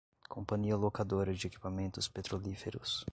Companhia Locadora de Equipamentos Petrolíferos